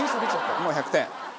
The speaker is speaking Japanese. もう１００点。